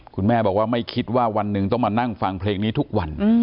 คุณแม่บอกว่าไม่คิดว่าวันหนึ่งต้องมานั่งฟังเพลงนี้ทุกวัน